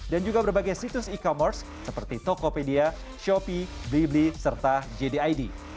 dan juga berbagai situs e commerce seperti tokopedia shopee blibli serta jdid